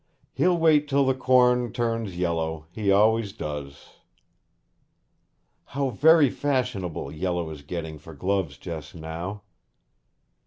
'He'll wait till the corn turns yellow; he always does.' 'How very fashionable yellow is getting for gloves just now!'